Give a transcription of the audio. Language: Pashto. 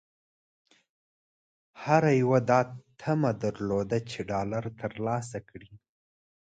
هر یوه دا طمعه درلوده چې ډالر ترلاسه کړي.